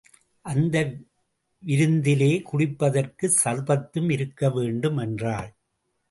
அந்த விருந்திலே குடிப்பதற்குச் சர்பத்தும் இருக்க வேண்டும் என்றாள்.